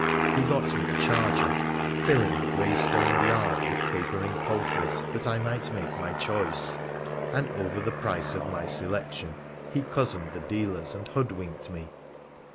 He got me a charger — filling the grey stoned yard with capering palfreys that I might make my choice — and over the price of my selection he cozened the dealers and hoodwinked me.